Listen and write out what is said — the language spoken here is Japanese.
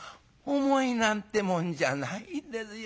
「重いなんてもんじゃないですよ。